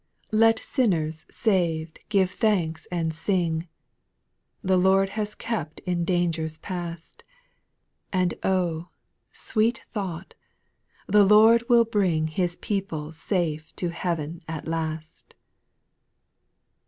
3. Let sinners sav'd give thanks and sing, — The Lord has kept in dangers past ; And oh I sweet thought, the Lord will bring His people safe to heav'n at last.